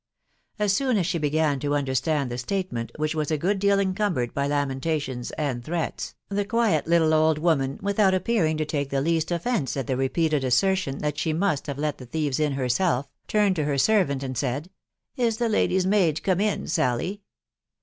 As soon as she began to understand the statement, which was a good deal encumbered by lamentations and threats, the quiet little old woman, without appearing to take the kail offence at the repeated assertion that she must hare let the thieves in herself, turned to her servant and said, —" Is the lady's maid come in, Sally ?